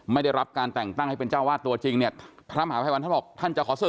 ไม่ได้รับการแต่งตั้งให้เป็นเจ้าวาดตัวจริงเนี่ยพระมหาภัยวันท่านบอกท่านจะขอเสิร์